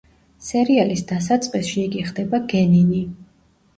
სერიალის დასაწყისში იგი ხდება გენინი.